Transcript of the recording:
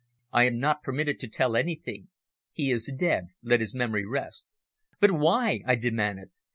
"I am not permitted to tell anything. He is dead let his memory rest." "But why?" I demanded.